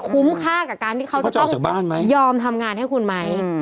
คุ้มค่ากับการที่เขาจะต้องยอมทำงานให้คุณไหม